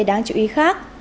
đáng chú ý khác